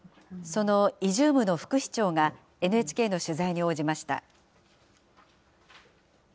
そのイジュームの副市長が、ＮＨＫの取材に応じました。